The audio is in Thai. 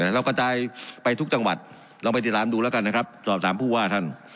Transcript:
เรากระจายไปทุกจังหวัดลองไปติดตามดูแล้วกันนะครับสอบถามผู้ว่าท่าน